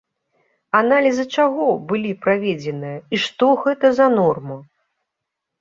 Аналізы чаго былі праведзеныя і што гэта за норма?